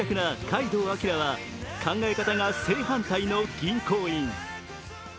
階堂彬は考え方が正反対の銀行員。